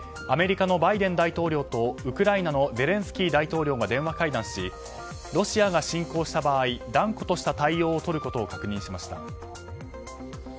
アメリカのバイデン大統領とウクライナのゼレンスキー大統領が電話会談しロシアが侵攻した場合断固とした対応をとることを確認しました。